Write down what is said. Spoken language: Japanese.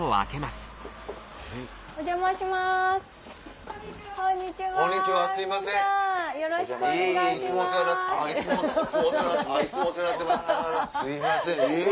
すいませんえぇ！